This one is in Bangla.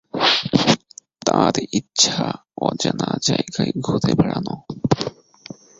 তার ইচ্ছা অজানা যায়গায় ঘুরে বেড়ানো।